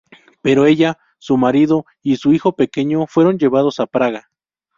Pero ella, su marido y su hijo pequeño fueron llevados a Praga.